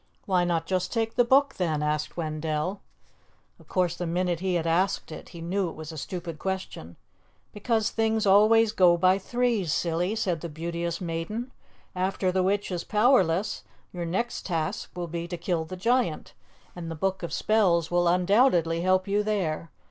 "Why not just take the book then?" asked Wendell. Of course, the minute he had asked it, he knew it was a stupid question. "Because things always go by threes, Silly," said the Beauteous Maiden. "After the witch is powerless, your next task will be to kill the giant; and the Book of Spells will undoubtedly help you there.